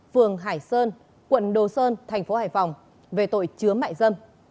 phường hải sơn quận đồ sơn thành phố hải phòng về tội chứa mại dâm